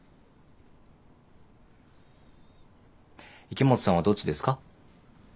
池本さんはどっちですか？